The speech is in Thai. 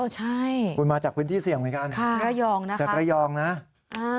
อ๋อใช่คุณมาจากพื้นที่เสี่ยงเหมือนกันจากกระยองนะครับค่ะ